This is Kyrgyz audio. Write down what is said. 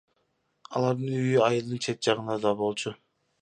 Алардын үйү айылдын чет жагында болчу.